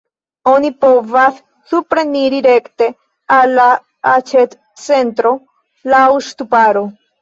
Oni povas supreniri rekte al la aĉetcentro laŭ ŝtuparo.